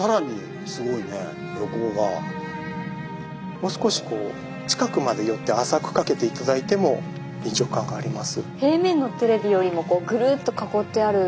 もう少し近くまで寄って浅く掛けて頂いても臨場感があります。